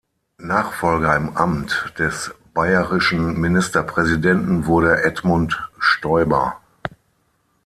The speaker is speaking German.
Nachfolger im Amt des bayerischen Ministerpräsidenten wurde Edmund Stoiber.